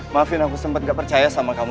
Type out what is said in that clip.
karena aku sempet gak percaya sama kamu